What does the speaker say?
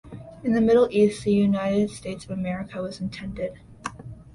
In the Middle East, the United States of America was intended.